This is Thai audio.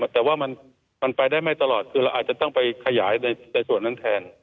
แต่ว่ามันไปได้ไม่ตลอดคือเราอาจจะต้องไปขยายในส่วนนั้นแทน